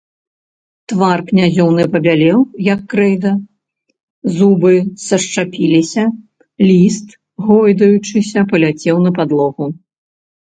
Твар князёўны пабялеў, як крэйда, зубы сашчапіліся, ліст, гойдаючыся, паляцеў на падлогу.